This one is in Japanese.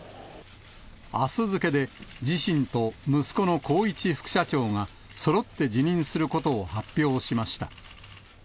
あす付けで、自身と息子の宏一副社長がそろって辞任することを発表しました。